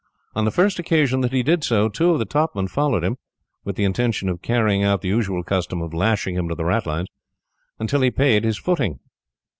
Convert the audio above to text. On the first occasion that he did so, two of the topmen followed him, with the intention of carrying out the usual custom of lashing him to the ratlines, until he paid his footing.